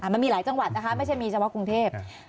มันมีหลายจังหวัดนะคะไม่ใช่มีเฉพาะกรุงเทพ